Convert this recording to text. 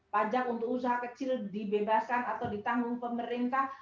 pajak untuk usaha kecil dibebaskan atau ditanggung pemerintah